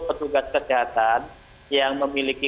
petugas kesehatan yang memiliki